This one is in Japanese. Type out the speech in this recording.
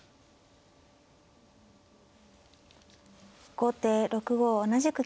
後手６五同じく金。